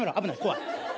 怖い。